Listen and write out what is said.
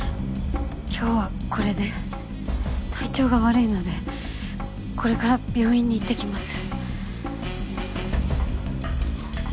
今日はこれで体調が悪いのでこれから病院に行ってきます。